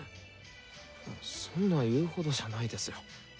そんな言うほどじゃないですよ。